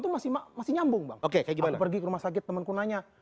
tuh masih masih nyambung oke kayak gimana pergi ke rumah sakit temenku nanya